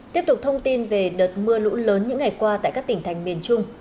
tiếp tục thông tin về đợt mưa lũ lớn những ngày qua tại các tỉnh thành miền trung